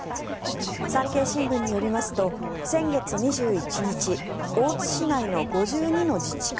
産経新聞によりますと先月２１日大津市内の５２の自治会